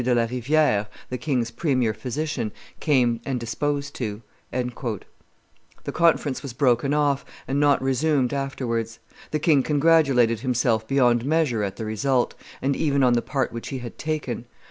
de la Riviere, the king's premier physician, came and deposed to." The conference was broken off, and not resumed afterwards. The king congratulated himself beyond measure at the result, and even on the part which he had taken.